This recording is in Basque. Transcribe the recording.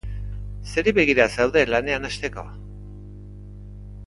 Zeri begira zaude lanean hasteko?